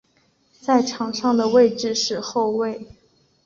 在场上的位置是后卫。